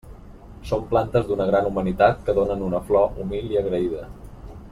Són plantes d'una gran humanitat que donen una flor humil i agraïda.